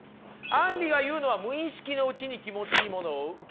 アンリが言うのは無意識のうちに気持ちいいものを受け入れなさい。